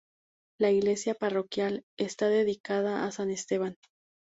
La iglesia parroquial está dedicada a San Esteban.